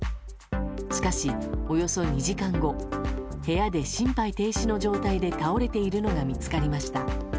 しかし、およそ２時間後部屋で心肺停止の状態で倒れているのが見つかりました。